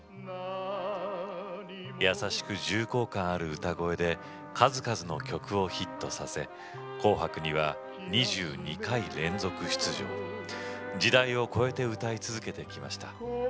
優しく重厚感ある歌声で数々の曲をヒットさせ「紅白」には２２回連続出場時代を超えて歌い続けてきました。